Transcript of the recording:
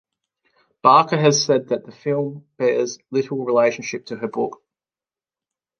Barker has said that the film bears little relationship to her book.